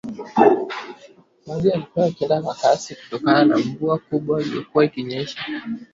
Maji yalikuwa yakienda kwa kasi kutokana na mvua kubwa iliyokuwa imenyesha